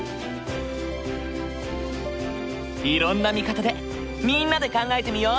いろんな見方でみんなで考えてみよう！